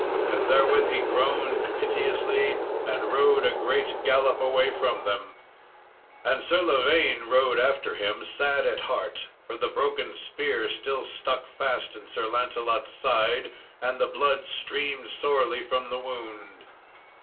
And therewith he groaned piteously, and rode a great gallop away from them. And Sir Lavaine rode after him, sad at heart, for the broken spear still stuck fast in Sir Lancelot's side, and the blood streamed sorely from the wound.